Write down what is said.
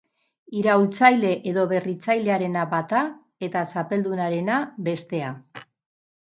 Iraultzaile edo berritzailearena bata, eta txapeldunarena, bestea.